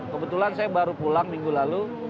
kebetulan saya baru pulang minggu lalu